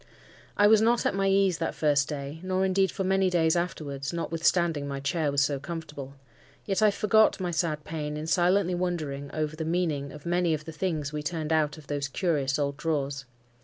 I was not at my ease that first day, nor indeed for many days afterwards, notwithstanding my chair was so comfortable. Yet I forgot my sad pain in silently wondering over the meaning of many of the things we turned out of those curious old drawers.